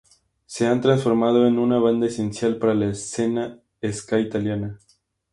Se han transformado en una banda esencial para la escena ska italiana.